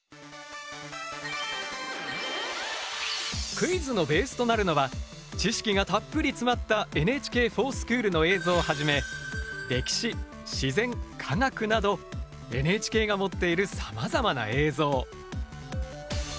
クイズのベースとなるのは知識がたっぷり詰まったＮＨＫｆｏｒＳｃｈｏｏｌの映像をはじめ歴史自然科学などＮＨＫが持っているさまざまな映像。